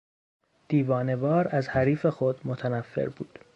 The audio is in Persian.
دیوانهوار از حریف خود متنفر بود.